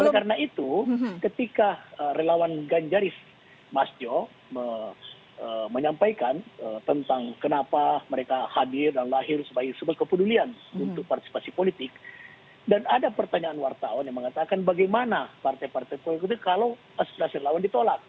karena itu ketika relawan ganjaris masjo menyampaikan tentang kenapa mereka hadir dan lahir sebagai sebuah kepedulian untuk partisipasi politik dan ada pertanyaan wartawan yang mengatakan bagaimana partai partai politik kalau aspirasi relawan ditolak